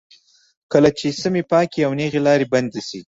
کله چې سمې، پاکې او نېغې لارې بندې شي.